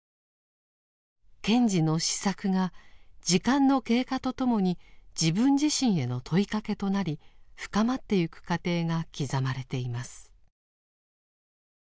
賢治の思索が時間の経過とともに自分自身への問いかけとなり深まってゆく過程が刻まれています。